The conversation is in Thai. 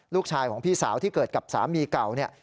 ลูกชายของพี่สาวที่เกิดกับสามีเก่าเนี่ย